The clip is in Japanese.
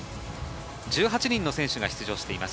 １８人の選手が出場しています。